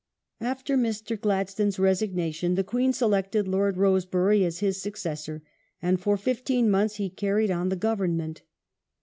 After Mr. Gladstone's resignation the Queen selected Lord Lord Rosebery as his successor, and for fifteen months he carried on the ^g^^^g government.